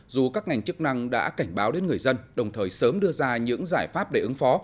dù các ngành chức năng đã cảnh báo đến người dân đồng thời sớm đưa ra những giải pháp để ứng phó